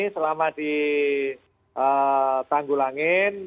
selama di tanggulangin